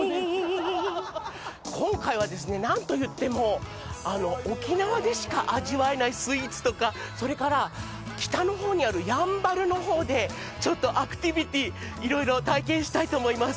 今回は何といっても沖縄でしか味わえないスイーツとかそれから、北のほうにあるやんばるのほうでちょっとアクティビティいろいろ体験したいと思います。